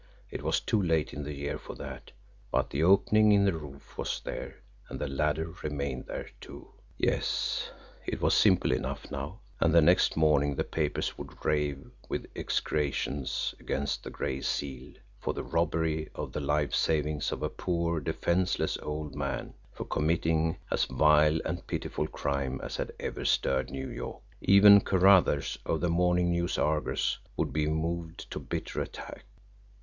It was too late in the year for that but the opening in the roof was there, and the ladder remained there, too. Yes, it was simple enough now. And the next morning the papers would rave with execrations against the Gray Seal for the robbery of the life savings of a poor, defenseless old man, for committing as vile and pitiful a crime as had ever stirred New York! Even Carruthers, of the MORNING NEWS ARGUS, would be moved to bitter attack.